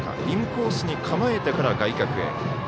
インコースに構えてから外角へ。